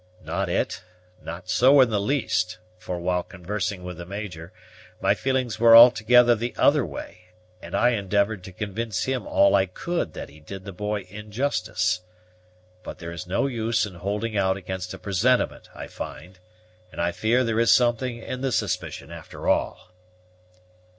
"Not it, not so in the least; for, while conversing with the Major, my feelings were altogether the other way; and I endeavored to convince him all I could that he did the boy injustice. But there is no use in holding out against a presentiment, I find; and I fear there is something in the suspicion after all."